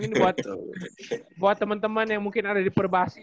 ini buat temen temen yang mungkin ada di perbasi